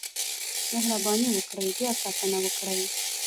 مهرباني وکړئ بیاکتنه وکړئ